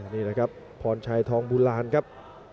นี่นะครับพรชัยทองบุราณครับ